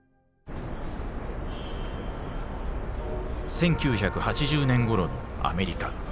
１９８０年ごろのアメリカ。